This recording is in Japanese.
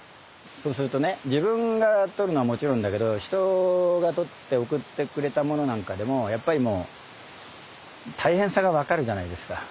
そうするとね自分が採るのはもちろんだけど人が採って送ってくれたものなんかでもやっぱりもう大変さがわかるじゃないですか。